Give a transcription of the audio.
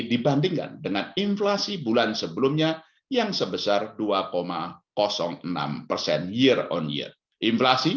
dibandingkan dengan inflasi bulan sebelumnya yang sebesar dua enam persen year on year inflasi